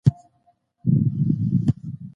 خلګ غواړي چي په سياسي بهير کي ملاتړ وکړي.